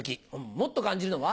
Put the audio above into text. もっと感じるのは？